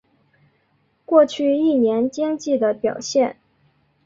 过去一年经济的表现